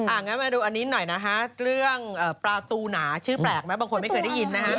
งั้นมาดูอันนี้หน่อยนะฮะเรื่องปลาตูหนาชื่อแปลกไหมบางคนไม่เคยได้ยินนะฮะ